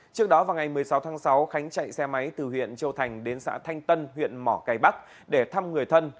trước đó vào ngày một mươi sáu tháng sáu khánh chạy xe máy từ huyện châu thành đến xã thanh tân huyện mỏ cây bắc để thăm người thân